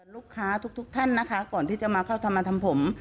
ลูกค้าทุกท่านนะคะก่อนที่จะมาเข้าทำมาทำผม